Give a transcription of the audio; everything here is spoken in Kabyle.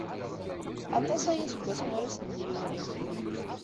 Aṭas aya seg wasmi ur asen-d-yuri.